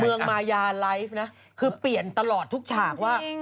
เมืองมายาไลฟ์นะคือเปลี่ยนตลอดทุกฉากว่า